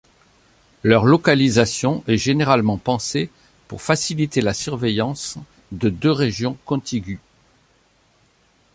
Leur localisation est généralement pensée pour faciliter la surveillance de deux régions contiguës.